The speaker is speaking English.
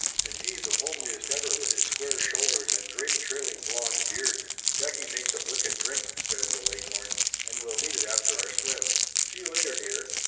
And he the homeliest ever, with his square shoulders and great trailing blond beard ! "Jackie shakes a wicked drink !" says the Leghorn. "And we'll need it after our swim. See you later, dear!"